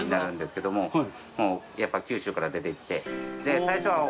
やっぱり九州から出てきて。